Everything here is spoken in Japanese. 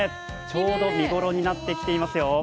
ちょうど見ごろになってきていますよ。